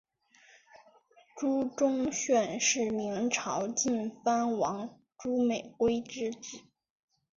朱钟铉是明朝晋藩王朱美圭之子。